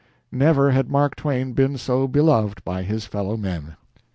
Never had Mark Twain been so beloved by his fellow men.